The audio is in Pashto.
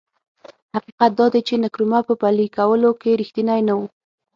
حقیقت دا دی چې نکرومه په پلي کولو کې رښتینی نه و.